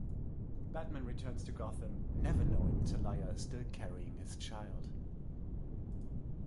Batman returns to Gotham, never knowing Talia is still carrying his child.